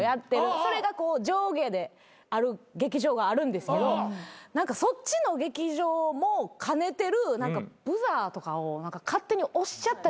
それがこう上下である劇場があるんですけどそっちの劇場も兼ねてるブザーとかを勝手に押しちゃった。